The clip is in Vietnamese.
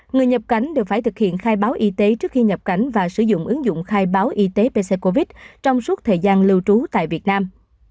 người nhập cảnh đều phải thực hiện khai báo y tế trước khi nhập cảnh và sử dụng ứng dụng khai báo y tế pc covid trong suốt thời gian lưu trú tại việt nam